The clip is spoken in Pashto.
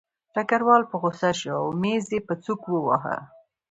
ډګروال په غوسه شو او مېز یې په سوک وواهه